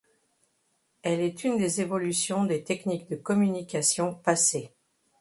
Elle est une des évolutions des techniques de communication passées.